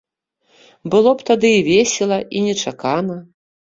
Было б тады і весела, і нечакана.